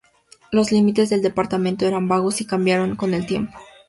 Los límites del departamento eran vagos, y cambiaron con el tiempo.